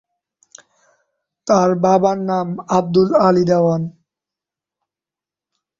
তার বাবার নাম আবদুল আলী দেওয়ান।